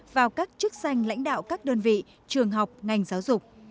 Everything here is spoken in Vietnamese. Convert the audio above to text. vào các chức danh lãnh đạo các đơn vị trường học ngành giáo dục